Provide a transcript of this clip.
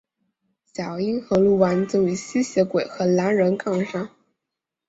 小樱和鹿丸则与吸血鬼和狼人杠上。